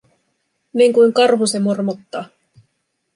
Niinkuin karhu se mormottaa.